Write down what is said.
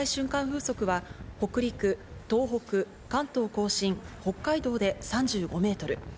風速は北陸、東北、関東甲信、北海道で３５メートル。